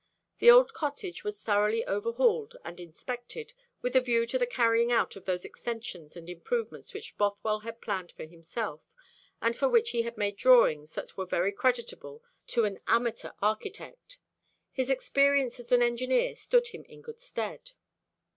The old cottage was thoroughly overhauled and inspected, with a view to the carrying out of those extensions and improvements which Bothwell had planned for himself, and for which he had made drawings that were very creditable to an amateur architect. His experience as an Engineer stood him in good stead.